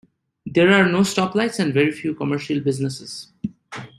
There are no stoplights and very few commercial businesses.